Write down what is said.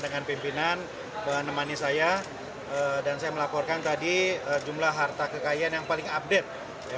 dengan pimpinan menemani saya dan saya melaporkan tadi jumlah harta kekayaan yang paling update